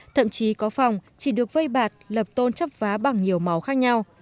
thậm chí có phòng chỉ được vây bạt lập tôn chấp vá bằng nhiều màu khác nhau